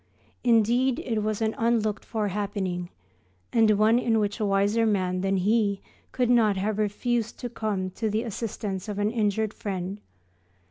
Indeed, it was an unlooked for happening, and one in which a wiser man than he could not have refused to come to the assistance of an injured friend.